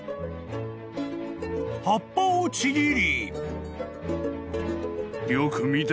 ［葉っぱをちぎり］